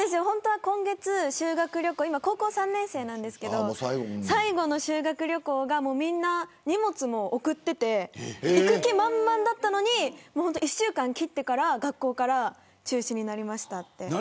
本当は今月修学旅行で今、高校３年生で最後の修学旅行がもう、みんな荷物も送ってて行く気満々だったのに１週間切ってから学校から中止になりましたって。